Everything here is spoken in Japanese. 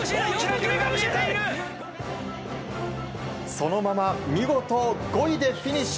そのまま見事５位でフィニッシュ